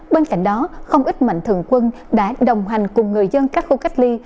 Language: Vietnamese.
bên cạnh đó không ít mạnh thường quân đã đồng hành cùng người dân các khu cách ly